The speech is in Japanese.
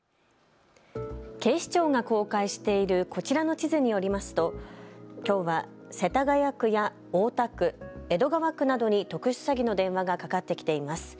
警視庁が公開しているこちらの地図によりますときょうは世田谷区や大田区、江戸川区などに特殊詐欺の電話がかかってきています。